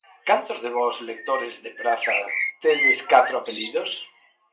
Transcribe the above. Cantos de vós, lectores de Praza, tedes catro apelidos?